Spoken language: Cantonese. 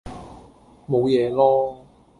冇嘢囉